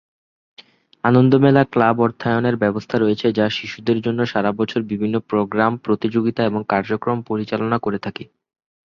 আনন্দমেলা club অর্থায়নের ব্যবস্থা রয়েছে যা শিশুদের জন্য সারা বছর বিভিন্ন প্রোগ্রাম, প্রতিযোগিতা এবং কার্যক্রম পরিচালনা করে থাকে।